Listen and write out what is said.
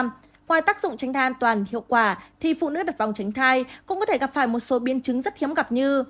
ngoài tác dụng tránh thai an toàn hiệu quả thì phụ nữ đặt vòng tránh thai cũng có thể gặp phải một số biên chứng rất hiếm gặp như